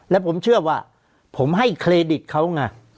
และผมเชื่อว่าผมให้เครดิตเขาไง